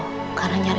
pak cas kenapa